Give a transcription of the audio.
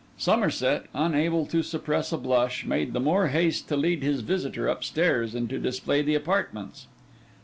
Somerset, unable to suppress a blush, made the more haste to lead his visitor upstairs and to display the apartments.